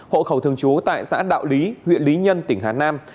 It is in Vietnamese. hộ khẩu thường trú tại xã đạo lý huyện lý nhân tỉnh hà nam